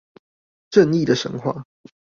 正義的神話